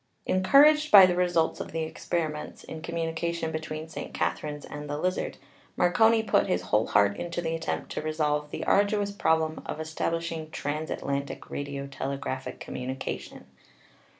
1 Encouraged by the results of the experiments in com munication between St. Katherine's and the Lizard, Mar coni put his whole heart into the attempt to resolve the arduous problem of establishing transatlantic radiotele graphic communication.